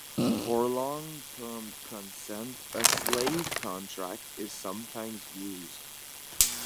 For long term consent, a "Slave Contract" is sometimes used.